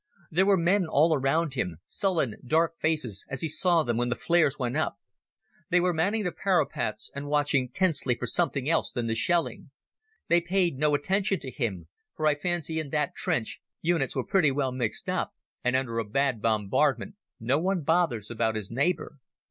There were men all around him, sullen dark faces as he saw them when the flares went up. They were manning the parapets and waiting tensely for something else than the shelling. They paid no attention to him, for I fancy in that trench units were pretty well mixed up, and under a bad bombardment no one bothers about his neighbour.